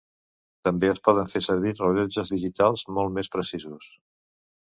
També es poden fer servir rellotges digitals, molt més precisos.